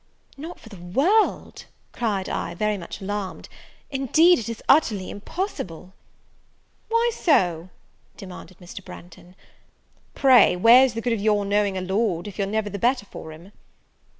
"Not for the world," cried I, very much alarmed: "indeed it is utterly impossible." "Why so?" demanded Mr. Branghton: "pray, where's the good of your knowing a Lord, if your never the better for him?"